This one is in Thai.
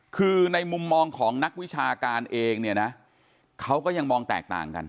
คือในมุมมองของนักวิชาการเองเนี่ยนะเขาก็ยังมองแตกต่างกัน